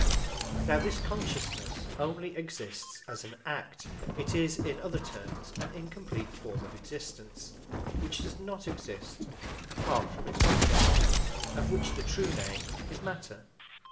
Now this consciousness only exists as an act; it is, in other terms, an incomplete form of existence, which does not exist apart from its object, of which the true name is matter.